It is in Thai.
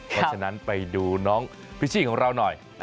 เพราะฉะนั้นไปดูน้องพิชชี่ของเราหน่อย